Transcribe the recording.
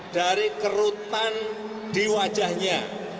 dari kerutan di wajahnya